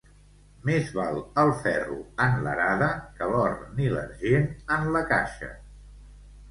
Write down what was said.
Més val el ferro en l'arada que l'or ni l'argent en la caixa.